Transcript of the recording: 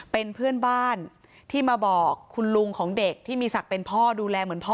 เป็นเพื่อนบ้านที่มาบอกคุณลุงของเด็กที่มีศักดิ์เป็นพ่อดูแลเหมือนพ่อ